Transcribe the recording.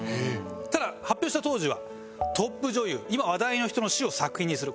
ただ発表した当時はトップ女優今話題の人の死を作品にする。